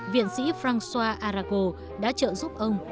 viện sĩ francois arago đã trợ giúp ông